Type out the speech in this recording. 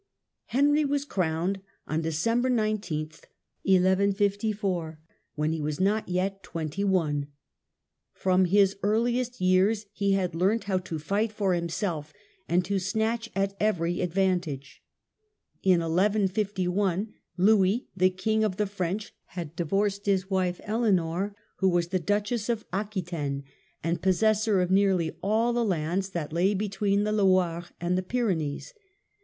Henry was crowned on December 19, 11 54, when he was not yet twenty one. From his earliest years he had learnt how to fight for himself, and to snatch Henry's mar at every advantage. In 1151 Louis, the King '*•«*• "5«. of the French, had divorced his wife Eleanor, who was the Duchess of Aquitaine, and possessor of nearly all the lands that lay between the Loire and the Pyrenees.